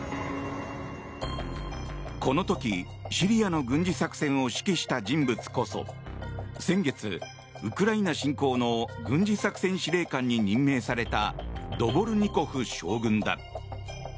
この時、シリアの軍事作戦を指揮した人物こそ先月、ウクライナ侵攻の軍事作戦司令官に任命されたドボルニコフ将軍だ。